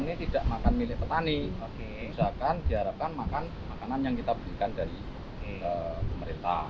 ini tidak makan milik petani misalkan diharapkan makan makanan yang kita berikan dari pemerintah